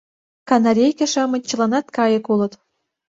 Канарейке-шамыч чыланат кайык улыт...